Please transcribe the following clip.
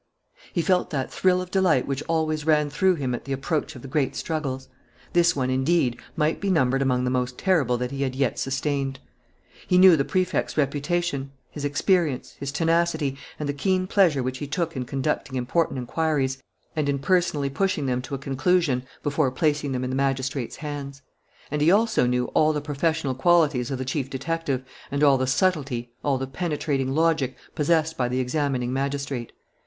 He felt that thrill of delight which always ran through him at the approach of the great struggles. This one, indeed, might be numbered among the most terrible that he had yet sustained. He knew the Prefect's reputation, his experience, his tenacity, and the keen pleasure which he took in conducting important inquiries and in personally pushing them to a conclusion before placing them in the magistrate's hands; and he also knew all the professional qualities of the chief detective, and all the subtlety, all the penetrating logic possessed by the examining magistrate.